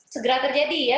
segera terjadi ya